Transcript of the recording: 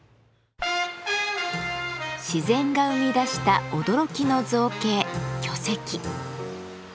自然が生み出した驚きの造形巨石。